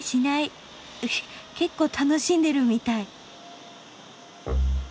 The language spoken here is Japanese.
うふっ結構楽しんでるみたい。